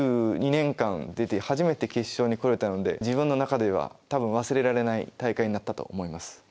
２２年間出て初めて決勝にこれたので自分の中では多分忘れられない大会になったと思います。